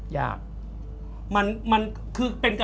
ยาก